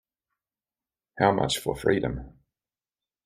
How Much for Freedom?